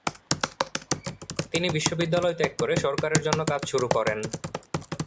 তিনি বিশ্ববিদ্যালয় ত্যাগ করে সরকারের জন্য কাজ শুরু করেন।